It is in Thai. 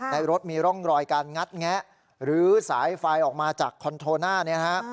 ในรถมีร่องรอยการงัดแงะหรือสายไฟออกมาจากคอนโทน่าเนี่ยนะฮะ